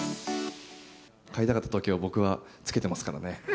買いたかった時計を僕はつけてますからね。